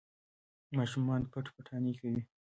ماشومان پټ پټانې کوي.